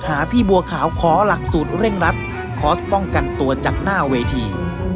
หาพี่บัวขาวขอหลักสูตรเร่งรัดขอป้องกันตัวจากหน้าเวที